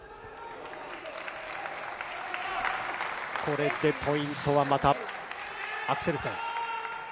これでポイントは、またアクセルセン。